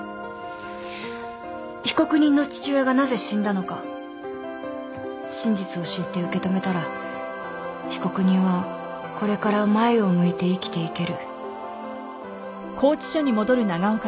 被告人の父親がなぜ死んだのか真実を知って受け止めたら被告人はこれから前を向いて生きていける。